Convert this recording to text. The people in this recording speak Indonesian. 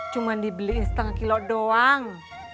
cuma dibeli setengah kilo doang